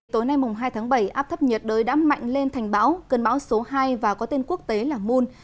tối nay mùng hai tháng bảy áp thấp nhiệt đới đã mạnh lên thành bão cơn bão số hai và có tên quốc tế là moon